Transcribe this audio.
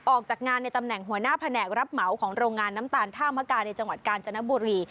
ออกจากงานในตำแหน่งหัวหน้าแผนกรับเหมาของโรงงานน้ำตาลท่ามกาในจังหวัดกาญจนบุรี